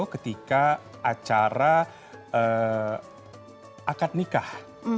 ketika acara akad nikah